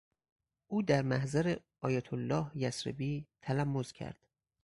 او در محضر آیت الله یثربی تلمذ کرد.